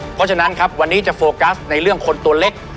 เพราะฉะนั้นครับวันนี้จะโฟกัสในเรื่องคนตัวเล็ก